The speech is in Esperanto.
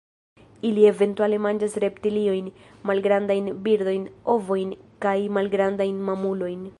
Ili eventuale manĝas reptiliojn, malgrandajn birdojn, ovojn kaj malgrandajn mamulojn.